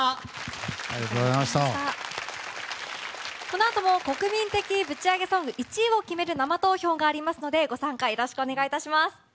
このあとも国民的ぶちアゲソング１位を決める生投票がありますのでご参加よろしくお願いします。